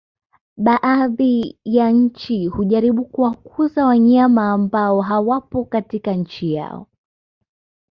Baadhi ya nchi hujaribu kuwakuza wanyama ambao hawapo katika nchi yao